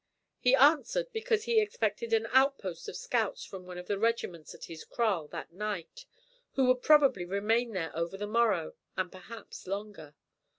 He answered because he expected an outpost of scouts from one of the regiments at his kraal that night, who would probably remain there over the morrow and perhaps longer.